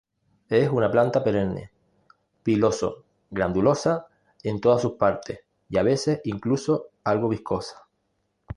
Es una planta perenne, piloso-glandulosa en todas su partes, a veces incluso algo viscosa.